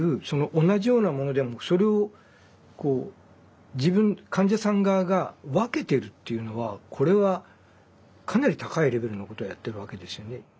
同じようなものでもそれをこう自分患者さん側が分けてるっていうのはこれはかなり高いレベルのことをやってるわけですよね。